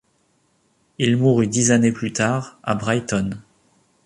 Il mourut dix années plus tard, à Brighton.